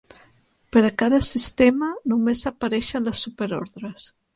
Per a cada sistema, només apareixen les superordres.